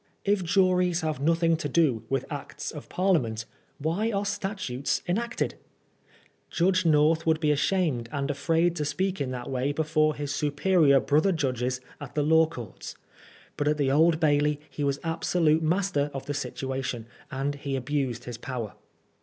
If juries have nothing to do with Acts of Parliament, why are statutes en acted ? Judge North would be ashamed and afraid to speak in that way before his superior brother judges at the Law Courts ; but at the Old Bailey he was absolute master of the situation, and he abused his power.